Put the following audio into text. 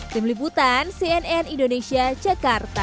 tim liputan cnn indonesia jakarta